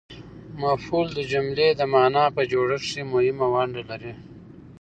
مفعول د جملې د مانا په جوړښت کښي مهمه ونډه لري.